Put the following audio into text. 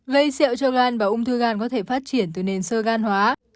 gây xẹo cho gan và ung thư gan có thể phát triển từ nền sơ gan hóa